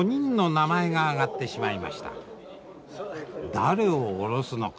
誰を降ろすのか。